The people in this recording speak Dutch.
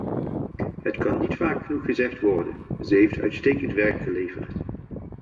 Het kan niet vaak genoeg gezegd worden, ze heeft uitstekend werk geleverd.